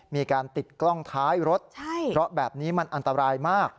มีการติดกล้องท้ายรถเพราะแบบนี้มันอันตรายมาก